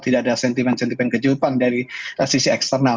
tidak ada sentiment sentiment kejutan dari sisi eksternal